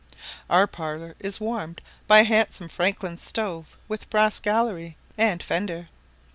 Our parlour is warmed by a handsome Franklin stove with brass gallery, and fender.